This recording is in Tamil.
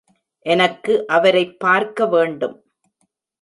எனக்கு அவரைப் பார்க்க வேண்டும்.